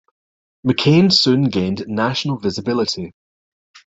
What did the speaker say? McCain soon gained national visibility.